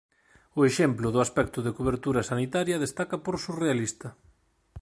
O exemplo do aspecto de cobertura sanitaria destaca por surrealista.